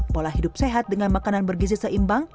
pola hidup sehat dengan makanan bergizi seimbang